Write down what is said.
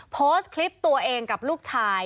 โพสต์คลิปตัวเองกับลูกชาย